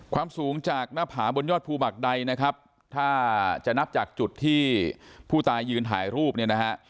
ความสูงจากหน้าผาบนยอดภูหมักใดนะครับถ้าจะนับจากจุดที่ผู้ตายยืนถ่ายรูปเนี่ยนะฮะ